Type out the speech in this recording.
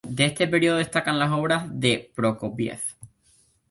De este período destacan las obras de Prokofiev.